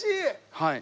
はい。